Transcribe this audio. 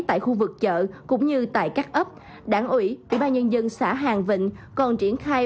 tại khu vực chợ cũng như tại các ấp đảng ủy ủy ban nhân dân xã hàng vịnh còn triển khai